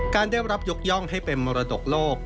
ได้รับยกย่องให้เป็นมรดกโลก